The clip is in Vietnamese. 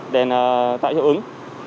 đèn tại hiệu ứng